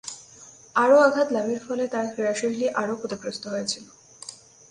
আরও আঘাত লাভের ফলে তার ক্রীড়াশৈলী আরও ক্ষতিগ্রস্ত হয়েছিল।